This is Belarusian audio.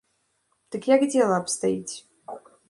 Дык як дзела абстаіць?